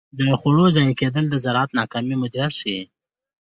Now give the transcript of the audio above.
د خوړو ضایع کیدل د زراعت ناکام مدیریت ښيي.